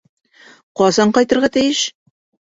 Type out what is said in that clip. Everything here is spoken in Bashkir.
Ҡасан ҡайтырға тейеш?